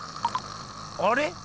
あれ？